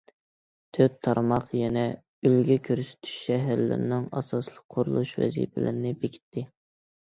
تۆت تارماق يەنە ئۈلگە كۆرسىتىش شەھەرلىرىنىڭ ئاساسلىق قۇرۇلۇش ۋەزىپىلىرىنى بېكىتتى.